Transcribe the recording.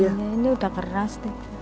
iya ini sudah keras